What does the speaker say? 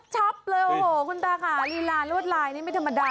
ชอบเลยโอ้โหคุณตาค่ะลีลารวดลายนี่ไม่ธรรมดา